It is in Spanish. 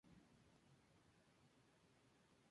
Tiene una torre campanario.